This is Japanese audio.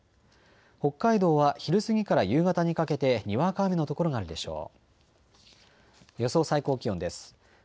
北海道は昼過ぎから夕方にかけてにわか雨の所があるでしょう。